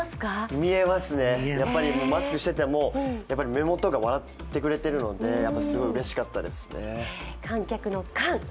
見えますね、マスクしてても目元が笑ってくれてるのがやっぱりすごいうれしかったですね。